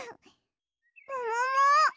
ももも！？